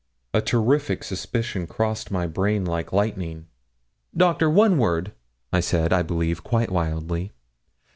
A terrific suspicion crossed my brain like lightning. 'Doctor, one word,' I said, I believe, quite wildly.